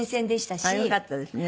よかったですね。